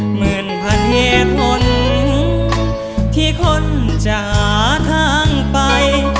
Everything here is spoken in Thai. เหมือนพันเหตุผลที่คนจะหาทางไป